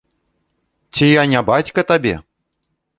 Ці я не бацька табе?